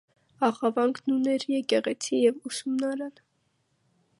Ախավանքն ուներ եկեղեցի և ուսումնարան։